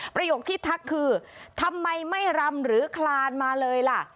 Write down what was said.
ประโยคที่ทักคือทำไมไม่รำหรือคลานมาเลยล่ะ